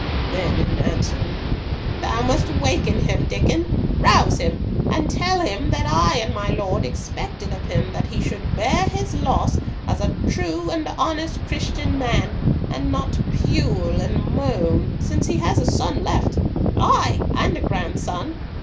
Then in answer, "Thou must waken him, Diccon—rouse him, and tell him that I and my lord expect it of him that he should bear his loss as a true and honest Christian man, and not pule and moan, since he has a son left—ay, and a grandson.